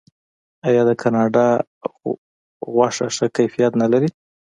آیا د کاناډا غوښه ښه کیفیت نلري؟